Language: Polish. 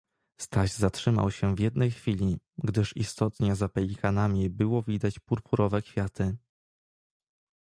Staś zatrzymał sie w jednej chwili, gdyż istotnie za pelikanami było widać purpurowe kwiaty.